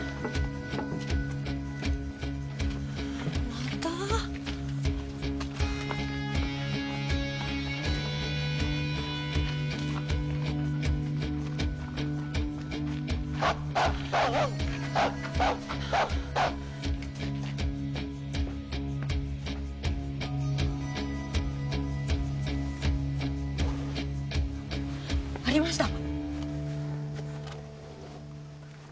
また？ありました！